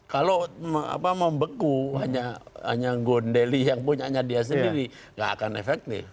kalau mau beku hanya gondeli yang punya dia sendiri gak akan efektif